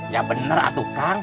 yang bener ah tuh kang